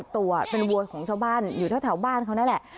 ตัวเป็นวัวของชาวบ้านอยู่แถวบ้านเขานั่นแหละ